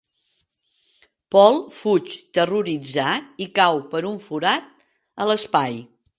Paul fuig terroritzat i cau per un forat a l'espai.